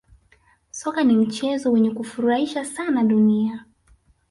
Soka ni mchezo wenye kufurahisha sana dunia